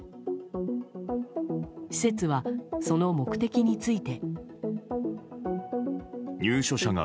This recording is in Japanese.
施設は、その目的について。